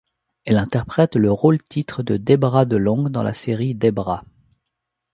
Elle interprète le rôle-titre de Debra Delong dans la série Debra!